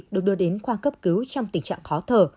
được đưa đến khoa cấp cứu trong tình trạng khó thở